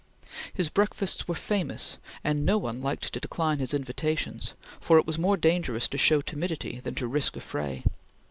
His breakfasts were famous, and no one liked to decline his invitations, for it was more dangerous to show timidity than to risk a fray.